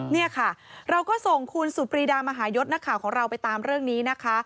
นี่ค่ะเราก็ส่งคุณสุดปรีดามหายศนักข่าวของเราไปตามเรื่องนี้นะคะ